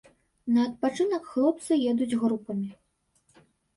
На адпачынак хлопцы едуць групамі.